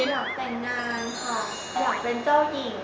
ตัวหน้าเป็นเจ้าหญิง